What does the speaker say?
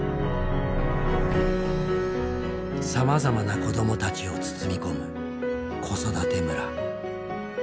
さまざまな子どもたちを包み込む「子育て村」。